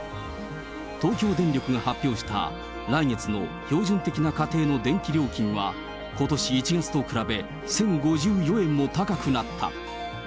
東京電力が発表した来月の標準的な家庭の電気料金は、ことし１月と比べ１０５４円も高くなった。